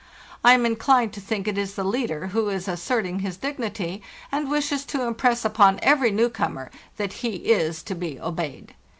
I am _ inclined to think it is the leader, who is asserting his dignity, and wishes to impress upon every new comer that he is to be obeyed.